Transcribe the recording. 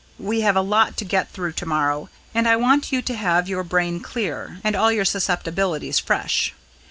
We have a lot to get through to morrow, and I want you to have your brain clear, and all your susceptibilities fresh.